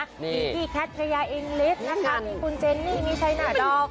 กิคกี้แคทเรยายองลิสนะครับคุณเจนนี่มิชัยหน่าดอก